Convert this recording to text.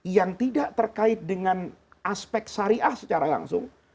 yang tidak terkait dengan aspek syariah secara langsung